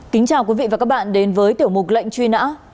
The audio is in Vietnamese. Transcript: kính chào quý vị và các bạn đến với tiểu mục lệnh truy nã